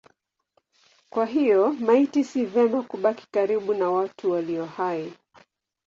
Kwa hiyo maiti si vema kubaki karibu na watu walio hai.